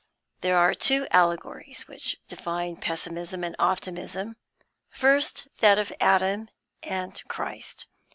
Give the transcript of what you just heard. There are two allegories, which define Pessimism and Optimism. First that of Adam and Christ.